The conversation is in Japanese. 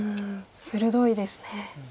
鋭いですね。